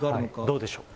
どうでしょう。